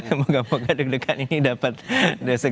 semoga moga deg degan ini dapat dosen